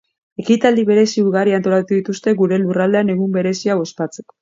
Ekitaldi berezi ugari antolatu dituzte gure lurraldean egun berezi hau ospatzeko.